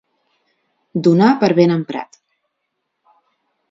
Donar per ben emprat.